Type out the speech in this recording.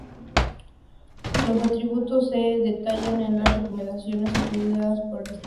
Los atributos se detallan en las recomendaciones ofrecidas por el estándar.